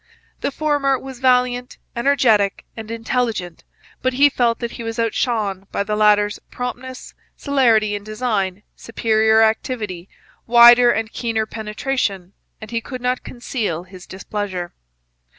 The former was valiant, energetic, and intelligent; but he felt that he was outshone by the latter's promptness, celerity in design, superior activity, wider and keener penetration, and he could not conceal his displeasure.